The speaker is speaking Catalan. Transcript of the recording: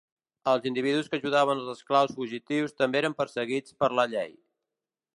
Els individus que ajudaven els esclaus fugitius també eren perseguits per la llei.